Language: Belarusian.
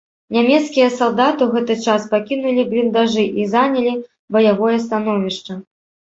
Нямецкія салдаты ў гэты час пакінулі бліндажы і занялі баявое становішча.